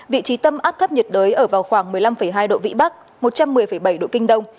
vị trí tâm áp thấp nhiệt đới ở vào khoảng một mươi năm hai độ vĩ bắc một trăm một mươi bảy độ kinh đông